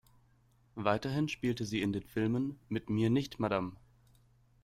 Weiterhin spielte sie in den Filmen "Mit mir nicht, Madam!